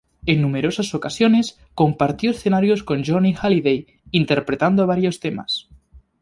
En numerosas ocasiones, compartió escenarios con Johnny Hallyday, interpretando varios temas.